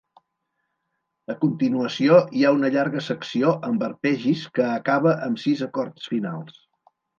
A continuació hi ha una llarga secció amb arpegis que acaba amb sis acords finals.